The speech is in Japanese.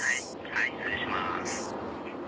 はい失礼します。